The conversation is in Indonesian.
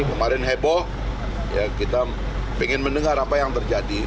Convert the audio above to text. kemarin heboh kita ingin mendengar apa yang terjadi